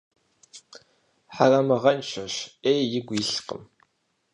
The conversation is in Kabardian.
Хьэрэмыгъэншэщ, Ӏей игу илъкъым.